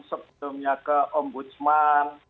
sebelumnya ke ombudsman